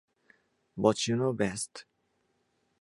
But you know best.